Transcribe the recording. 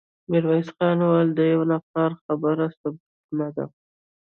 ميرويس خان وويل: د يوه نفر خبره ثبوت نه ده.